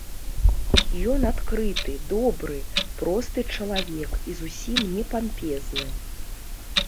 Ён адкрыты, добры, просты чалавек і зусім не пампезны.